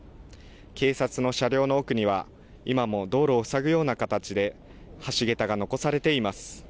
警察の車両の奥には今も道路をふさぐような形で橋桁が残されています。